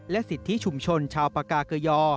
สิทธิชุมชนชาวปากาเกยอ